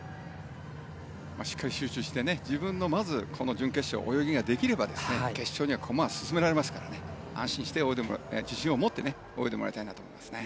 しっかり集中してまず準決勝泳ぎができれば決勝に駒は進められますから自信を持って泳いでもらいたいなと思いますね。